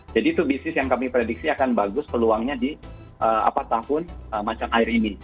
jadi itu bisnis yang kami prediksi akan bagus peluangnya di tahun macan air ini